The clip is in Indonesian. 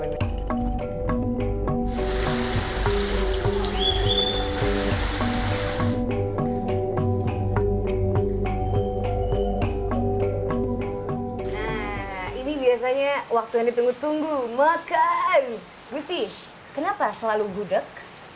nah ini biasanya waktunya ditunggu tunggu makan gusti kenapa selalu gudeg